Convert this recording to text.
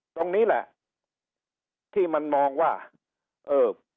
ตรงนี้แหละที่มันมองว่าเออ